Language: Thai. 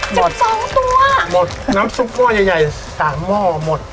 หมดน้ำซุปหม้อยเย่ยสามหม้อหมด